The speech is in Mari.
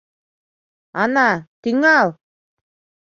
Ана, тӱҥал!..